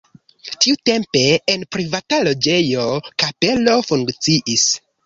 Tiutempe en privata loĝejo kapelo funkciis.